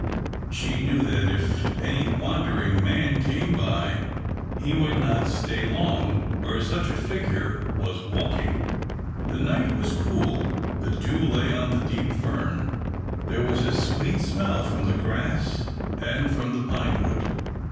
She knew that if any wandering man came by, he would not stay long where such a figure was walking. The night was cool, the dew lay on the deep fern; there was a sweet smell from the grass and from the pine wood.